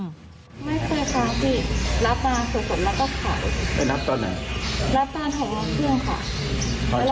ค่ะไซซ์กล่องมาให้เราเสร็จ